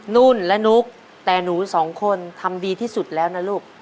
นุ่นและนุ๊กแต่หนูสองคนทำดีที่สุดแล้วนะลูก